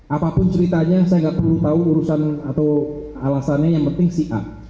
apapun ceritanya saya nggak perlu tahu urusan atau alasannya yang penting si a